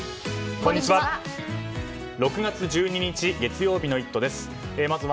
こんにちは。